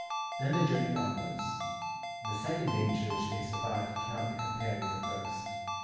Then they journeyed onwards. The second danger which they survived cannot be compared with the first.